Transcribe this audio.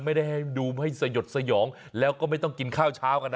ไม่ได้ให้ดูให้สยดสยองแล้วก็ไม่ต้องกินข้าวเช้ากันนะ